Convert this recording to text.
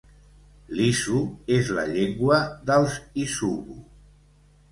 L'isu és la llengua dels isubu.